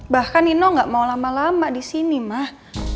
bahkan nino gak mau lama lama di sini mah